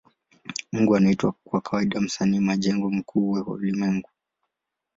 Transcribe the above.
Mungu anaitwa kwa kawaida Msanii majengo mkuu wa ulimwengu.